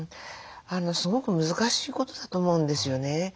すごく難しいことだと思うんですよね。